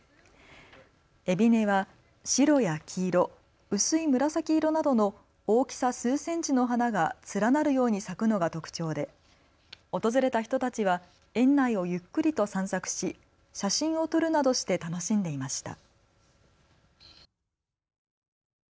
エビネは白や黄色、薄い紫色などの大きさ数センチの花が連なるように咲くのが特徴で訪れた人たちは園内をゆっくりと散策し写真を撮るなどして楽しんでいました。